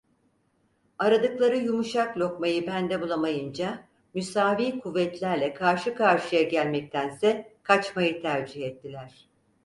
Aradıkları yumuşak lokmayı bende bulamayınca müsavi kuvvetlerle karşı karşıya gelmektense kaçmayı tercih ettiler.